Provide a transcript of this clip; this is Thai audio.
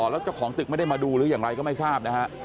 แล้วเจ้าของตึกไม่ได้มาดูหรืออย่างไรก็ไม่ทราบนะฮะ